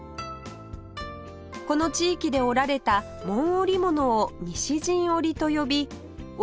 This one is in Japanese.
この地域で織られた紋織物を西陣織と呼び織